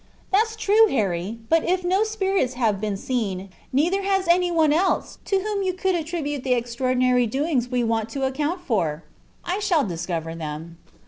"That's true, Harry; but if no spirits have been seen, neither has anyone else to whom you could attribute the extraordinary doings we want to account for." "I shall discover them."